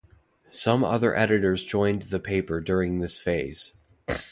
Some other editors joined the paper during this phase.